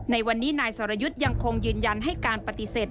ในวันนี้นายสรยุทธ์ยังคงยืนยันให้การปฏิเสธ